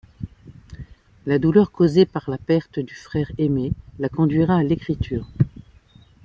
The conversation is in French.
La douleur causée par la perte du frère aimé la conduira à l’écriture.